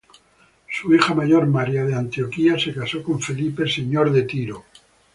Su hija mayor, María de Antioquía se casó con Felipe, señor de Tiro.